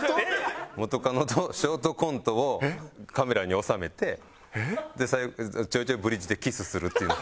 元カノとショートコントをカメラに収めてちょいちょいブリッジでキスするっていう。